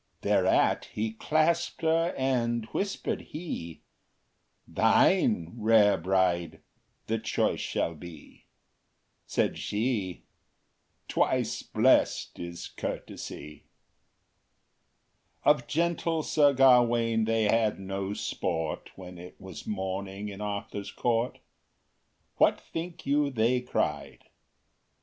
Thereat he clasped her, and whispered he, Thine, rare bride, the choice shall be. Said she, Twice blest is Courtesy! IV Of gentle Sir Gawain they had no sport, When it was morning in Arthur’s court; What think you they cried?